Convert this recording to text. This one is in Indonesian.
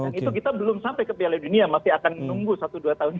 dan itu kita belum sampai ke piala dunia masih akan menunggu satu dua tahun lagi